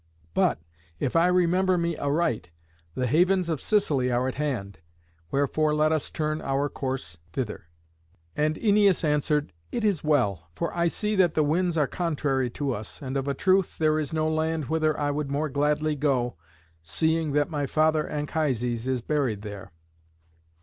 But, if I remember me aright, the havens of Sicily are at hand, wherefore let us turn our course thither." And Æneas answered, "It is well: for I see that the winds are contrary to us. And, of a truth, there is no land whither I would more gladly go, seeing that my father Anchises is buried there."